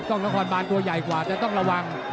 กล้องนครบานตัวใหญ่กว่าจะต้องระวัง